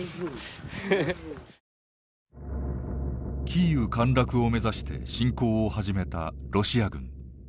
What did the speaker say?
キーウ陥落を目指して侵攻を始めたロシア軍。